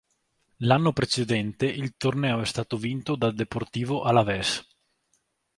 L'anno precedente il torneo è stato vinto dal Deportivo Alavés.